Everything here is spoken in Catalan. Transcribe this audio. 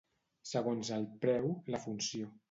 Segons el preu, la funció.